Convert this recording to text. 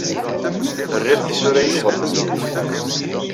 Rriɣ tisura-inu ɣer temzit.